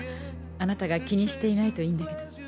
あなたが気にしていないといいんだけど。